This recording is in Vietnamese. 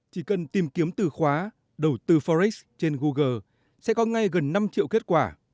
chỉ cần tìm kiếm từ khóa đầu tư forex trên google sẽ có ngay gần năm triệu kết quả